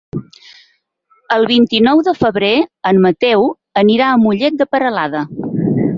El vint-i-nou de febrer en Mateu anirà a Mollet de Peralada.